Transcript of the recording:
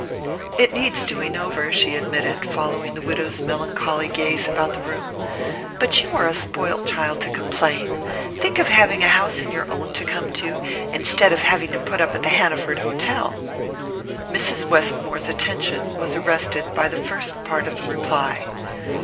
"It needs doing over," she admitted, following the widow's melancholy glance about the room. "But you are a spoilt child to complain. Think of having a house of your own to come to, instead of having to put up at the Hanaford hotel!" Mrs. Westmore's attention was arrested by the first part of the reply.